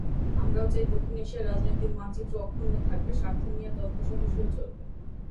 আমরাও চাই, দক্ষিণ এশিয়ার রাজনৈতিক মানচিত্র অক্ষুণ্ন থাকবে, স্বার্থ নিয়ে দর–কষাকষিও চলবে।